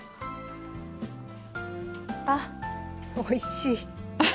あ、おいしい！